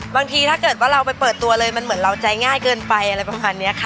บางทีถ้าเกิดว่าเราไปเปิดตัวเลยมันเหมือนเราใจง่ายเกินไปอะไรประมาณนี้ค่ะ